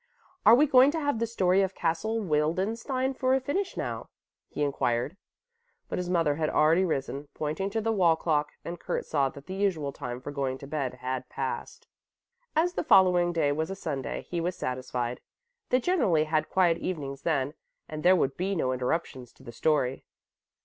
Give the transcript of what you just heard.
"Are we going to have the story of Castle Wildenstein for a finish now?" he inquired. But his mother had already risen, pointing to the wall clock, and Kurt saw that the usual time for going to bed had passed. As the following day was a Sunday, he was satisfied. They generally had quiet evenings then and there would be no interruptions to the story.